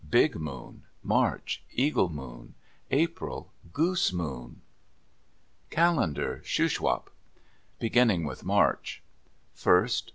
_—Big moon. March.—Eagle moon. April.—Goose moon. CALENDAR Shuswap Beginning with March: _First.